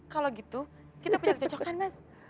kalau gitu kita punya kecocokan mas